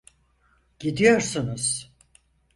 Gidiyorsunuz.